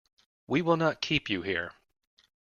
We will not keep you here.